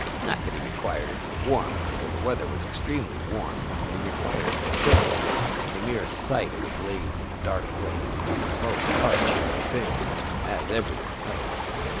Not that he required it for warmth, for the weather was extremely warm, but he required it to cook with, and the mere sight of a blaze in a dark place is a most heart cheering thing, as every one knows.